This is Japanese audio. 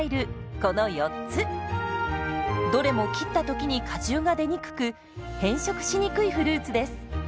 どれも切った時に果汁が出にくく変色しにくいフルーツです。